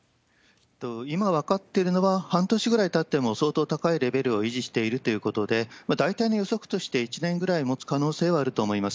今分かっているのは、半年ぐらいたっても相当高いレベルを維持しているということで、大体の予測として、１年ぐらいもつ可能性はあると思います。